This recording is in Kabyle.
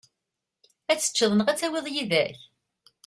Ad teččeḍ da neɣ ad tawiḍ yid-k?